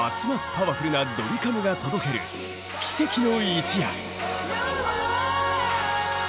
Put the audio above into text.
パワフルなドリカムが届ける奇跡の一夜。